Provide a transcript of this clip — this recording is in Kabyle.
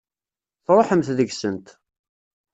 Tṛuḥemt deg-sent.